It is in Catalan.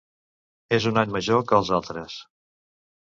És un any major que els altres.